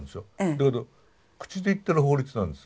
だけど口で言ってる法律なんです。